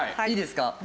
いいですか？